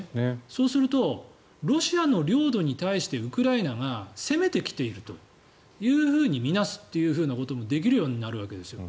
そうするとロシアの領土に対してウクライナが攻めてきているというふうに見なすということもできるようになるわけですよ。